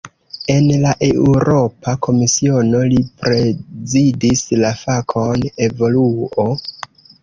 En la Eŭropa Komisiono, li prezidis la fakon "evoluo".